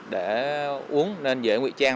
để uống nên dễ nguy trang